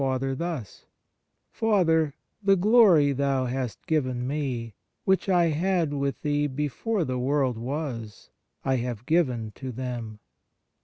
18 ON THE NATURE OF GRACE " Father, the glory Thou hast given Me, which I had with Thee before the world was, I have given to them."